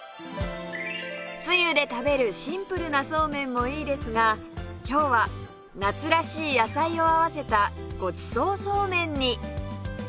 つゆで食べるシンプルなそうめんもいいですが今日は夏らしい野菜を合わせたごちそうそうめんに